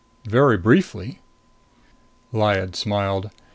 "Very briefly." Lyad smiled.